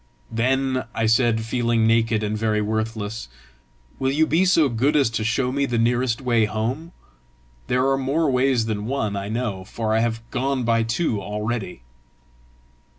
"Then," I said, feeling naked and very worthless, "will you be so good as show me the nearest way home? There are more ways than one, I know, for I have gone by two already."